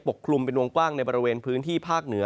กลุ่มเป็นวงกว้างในบริเวณพื้นที่ภาคเหนือ